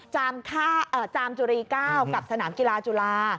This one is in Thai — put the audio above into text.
จามจุรี๙กับสนามกีฬาจุฬา